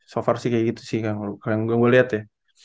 so far sih kayak gitu sih kang gue lihat ya